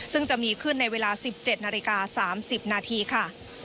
ซึ่งจะมีขึ้นในเวลาสิบเจ็ดนาฬิกาสามสิบนาทีค่ะ